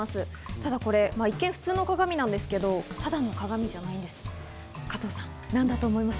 ただこれ一見、普通の鏡なんですけど、ただの鏡じゃないんです。